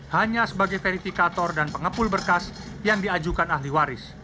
hanya sebagai verifikator dan pengepul berkas yang diajukan ahli waris